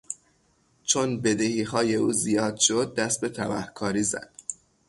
چون بدهیهای او زیاد شد دست به تبهکاری زد.